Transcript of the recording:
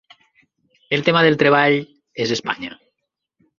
El tema del treball és Espanya.